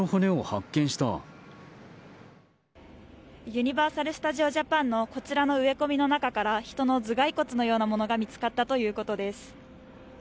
ユニバーサル・スタジオ・ジャパンのこちらの植え込みの中から人の頭蓋骨のようなものが見つかったということです。